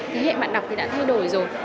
thế hệ bạn đọc thì đã thay đổi rồi